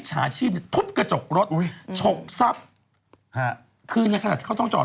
มิจฉาชีพทุบกระจกรถฉกทรัพย์คือในขณะที่เขาต้องจอดรถ